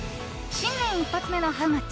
新年一発目のハウマッチ